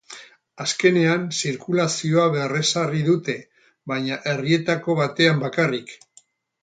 Azkenean, zirkulazioa berrezarri dute, baina erreietako batean bakarrik.